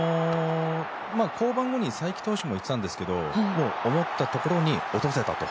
降板後に才木投手も言ってたんですけど思ったところに落とせたと。